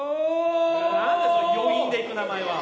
何だその余韻でいく名前は。